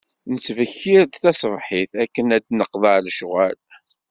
Nettbekkir-d tasebḥit, akken ad neqḍeɛ lecɣal.